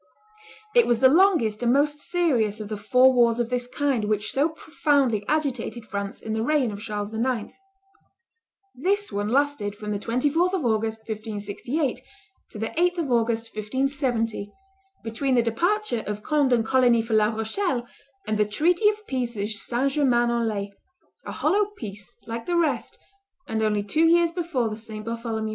It was the longest and most serious of the four wars of this kind which so profoundly agitated France in the reign of Charles IX. This one lasted from the 24th of August, 1568, to the 8th of August, 1570, between the departure of Conde and Coligny for La Rochelle and the treaty of peace of St. Germain en Laye: a hollow peace, like the rest, and only two years before the St. Bartholomew.